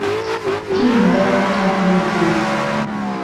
پیر و لاو تا ههمووتان